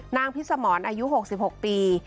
นางพิศหมอนอายุหกสิบหกปี